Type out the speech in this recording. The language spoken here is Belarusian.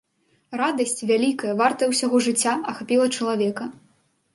Радасць, вялікая, вартая ўсяго жыцця, ахапіла чалавека.